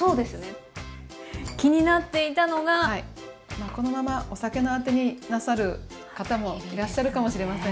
まあこのままお酒のアテになさる方もいらっしゃるかもしれませんね。